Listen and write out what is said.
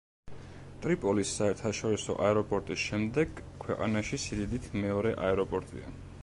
ტრიპოლის საერთაშორისო აეროპორტის შემდეგ ქვეყანაში სიდიდით მეორე აეროპორტია.